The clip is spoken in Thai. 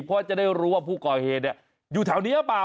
เพราะจะได้รู้ว่าผู้ก่อเหตุอยู่แถวนี้หรือเปล่า